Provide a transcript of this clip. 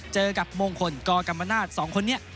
เจอกับมงคลกกัมมะนาสสองคนนี้